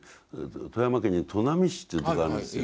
富山県に砺波市というとこあるんですよ。